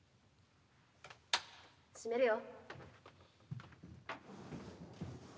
閉めるよ。